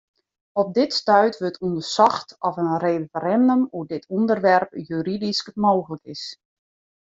Op dit stuit wurdt ûndersocht oft in referindum oer dit ûnderwerp juridysk mooglik is.